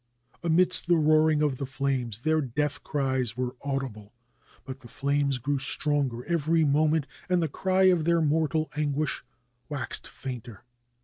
Amidst the roaring of the flames their death cries were audible, but the flames grew stronger every moment and the cry of their mortal anguish waxed fainter.